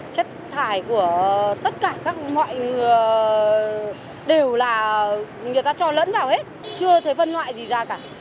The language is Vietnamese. chất thải của tất cả các mọi người đều là người ta cho lẫn vào hết chưa thể phân loại gì ra cả